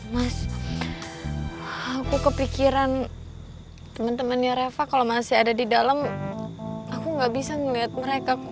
mas aku kepikiran teman temannya reva kalau masih ada di dalam aku gak bisa ngeliat mereka